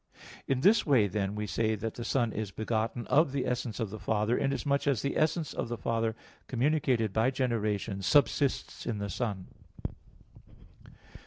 In this way, then, we say that the Son is begotten 'of' the essence of the Father, inasmuch as the essence of the Father, communicated by generation, subsists in the Son.